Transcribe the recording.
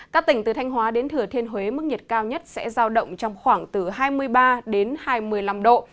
các tỉnh từ thanh hóa đến thừa thiên huế mức nhiệt cao nhất sẽ giao động trong khoảng từ hai mươi ba đến hai mươi năm độ